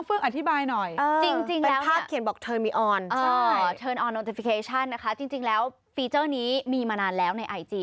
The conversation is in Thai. เมื่อวานที่ฉันเห็นคือของคุณพลอยชัวร์พร